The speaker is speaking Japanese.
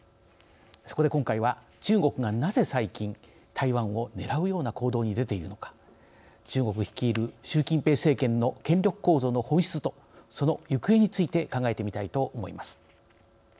そこで今回は、中国がなぜ最近台湾をねらうような行動に出ているのか中国率いる習近平政権の権力構造の本質とその行方について考えてみたいと思います。